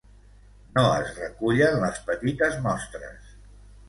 No es recullen les petites mostres.